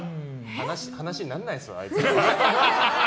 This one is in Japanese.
話にならないっすわ、あいつら。